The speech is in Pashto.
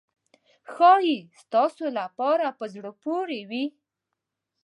ښایي ستاسو لپاره په زړه پورې وي.